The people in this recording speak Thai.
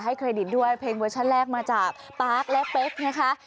เครดิตด้วยเพลงเวอร์ชันแรกมาจากปาร์คและเป๊กนะคะ